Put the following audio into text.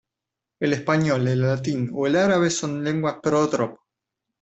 El español, el latín o el árabe son lenguas "pro-drop".